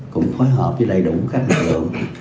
cũng phối hợp với đầy đủ các lực lượng